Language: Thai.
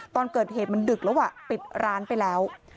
ตอนเกิดเหตุมันดึกแล้วปิดร้านไปแล้ว